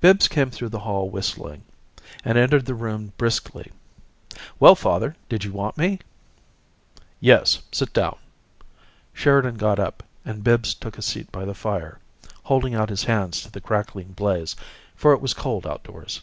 Bibbs came through the hall whistling, and entered the room briskly. "Well, father, did you want me?" "Yes. Sit down." Sheridan got up, and Bibbs took a seat by the fire, holding out his hands to the crackling blaze, for it was cold outdoors.